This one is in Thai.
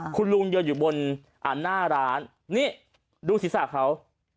คุณลุงยืนอยู่บนหน้าร้านนี่ดูศีรษะเขา